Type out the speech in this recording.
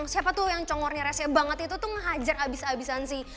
siapa tuh yang congolnya resnya banget itu tuh ngehajar abis abisan si